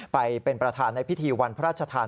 ไปเป็นประธานในพิธีวันพระราชทาน